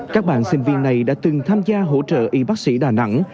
các bạn sinh viên này đã từng tham gia hỗ trợ y bác sĩ đà nẵng